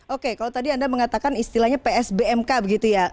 oke kalau tadi anda mengatakan istilahnya psbmk begitu ya